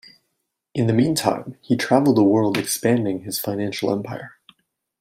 In the meantime he traveled the world expanding his financial empire.